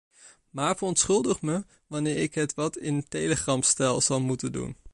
Maar verontschuldig me wanneer ik het wat in telegramstijl zal moeten doen.